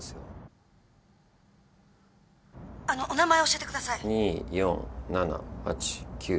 ☎あのお名前教えてください。